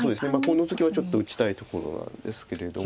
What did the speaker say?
ノゾキはちょっと打ちたいところなんですけれども。